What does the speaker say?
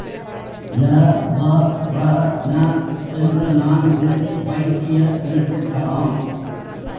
ல, வ, ற, ன என்ற நான்கு வைசிய எழுத்துக்களாம்.